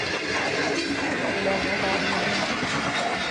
Il eût souri de leurs ventardises.